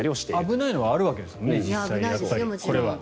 危ないのはあるわけですもんね。